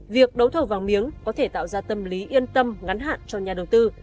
việc đấu thầu vàng miếng có thể tạo ra tâm lý yên tâm ngắn hạn cho nhà đầu tư